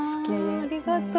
ああありがとう。